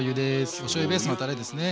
おしょうゆベースのタレですね。